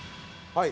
はい。